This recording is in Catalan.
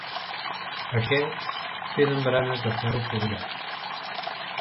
Aquests tenen baranes de ferro forjat.